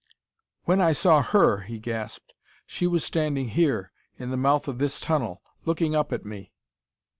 "When I saw her," he gasped, "she was standing here, in the mouth of this tunnel, looking up at me!"